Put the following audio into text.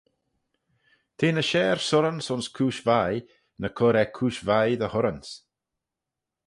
Te ny share surranse ayns cooish vie, ny cur er cooish vie dy hurranse.